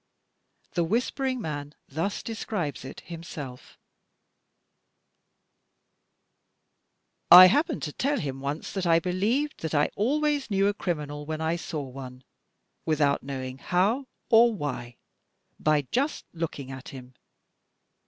The Whispering Man thus de scribes it himself: "I had happened to tell him once that I believed that I always knew a criminal when I saw one, without knowing how or why — by just looking at him.